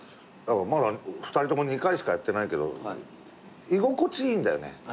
まだ２人とも２回しかやってないけど居心地いいんだよね。